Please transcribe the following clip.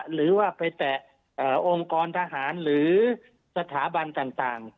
หรือว่าไปแตะองค์กรทหารหรือสถาบันต่าง